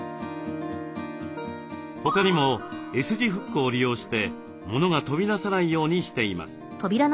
他にもＳ字フックを利用してものが飛び出さないようにしています。